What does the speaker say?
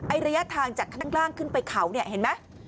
ระยะทางจากข้างล่างขึ้นไปเขาเนี่ยเห็นไหม